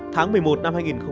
không dừng lại ở đó